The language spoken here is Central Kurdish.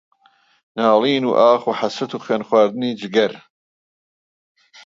ناڵین و ئاخ و حەسرەت و خوێنخواردنی جگەر